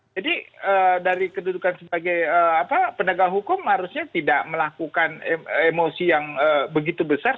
jadi dari kedudukan sebagai pendagang hukum harusnya tidak melakukan emosi yang begitu besar